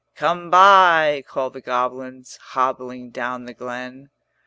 'Come buy,' call the goblins Hobbling down the glen.